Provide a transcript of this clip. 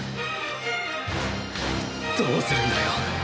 どうするんだよ。